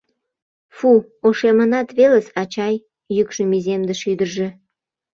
— Фу, ошемынат велыс, ачай? — йӱкшым иземдыш ӱдыржӧ.